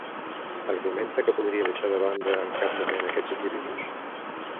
Argumenta que podria deixar de banda en cap moment aquests individus?